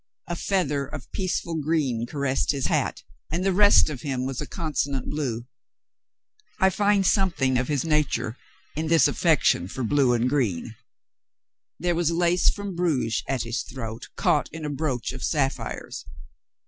A feather of peaceful green caressed his hat, and the rest of him was a consonant blue. I find something of his nature in this affection for blue and green. There was lace from Bruges at his throat, caught in a brooch of sapphires.